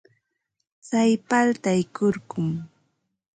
Tsay paltay kurkum.